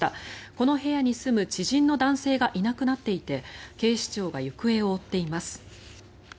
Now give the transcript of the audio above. この部屋に住む知人の男性がいなくなっていて警視庁が行方を追っています。